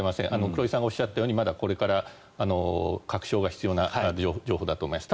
黒井さんがおっしゃったようにまだこれから確証が必要な情報だと思います。